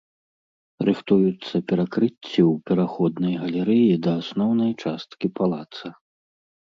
Рыхтуюцца перакрыцці ў пераходнай галерэі да асноўнай часткі палаца.